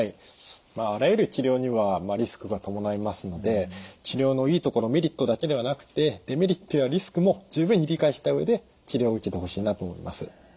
あらゆる治療にはリスクが伴いますので治療のいいところメリットだけではなくてデメリットやリスクも十分に理解した上で治療を受けてほしいなと思います。